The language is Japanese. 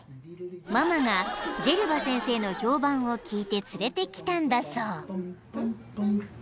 ［ママがジェルバ先生の評判を聞いて連れてきたんだそう］